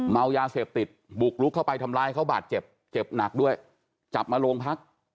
เมายาเสพติดบุกลุกเข้าไปทำร้ายเขาบาดเจ็บเจ็บหนักด้วยจับมาโรงพัก